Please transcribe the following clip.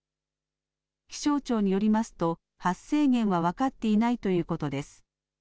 気象庁によりますと発生源は分かっていないということです。